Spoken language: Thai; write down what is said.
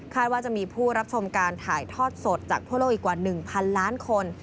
ว่าจะมีผู้รับชมการถ่ายทอดสดจากทั่วโลกอีกกว่า๑๐๐ล้านคน